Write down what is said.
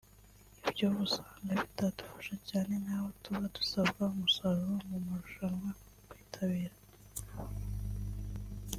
Ibyo usanga bitadufasha cyane nk’aho tuba dusabwa umusaruro mu marushanwa twitabira